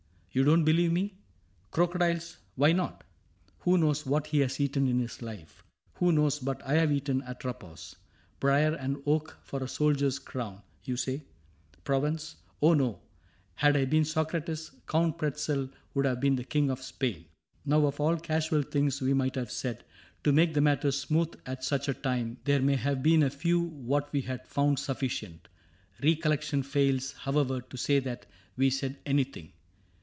You don't believe me ? Crocodiles — why not ? Who knows what he has eaten in his life ? Who knows but I have eaten Atropos ?...* Briar and oak for a soldier's crown,' you say ? Provence ? Oh, no ... Had I been Socrates, Count Pretzel would have been the King of Spain." Now of all casual things we might have said To make the matter smooth at such a time. 74 CAPTAIN CRAIG There may have been a few that we had found Sufficient. Recollection fails, however, To say that we said anything.